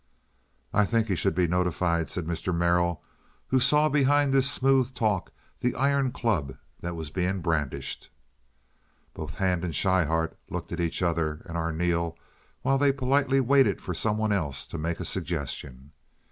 "I think he should be notified," said Mr. Merrill, who saw behind this smooth talk the iron club that was being brandished. Both Hand and Schryhart looked at each other and Arneel while they politely waited for some one else to make a suggestion.